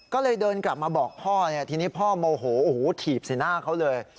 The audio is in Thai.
ก็เลยเดินกลับมาบอกพ่อทีนี้พ่อโมโหโอ้โหถีบสีหน้าเขาเลย